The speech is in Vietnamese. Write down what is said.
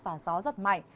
và gió rất mạnh